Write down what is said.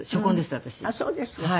あっそうですか。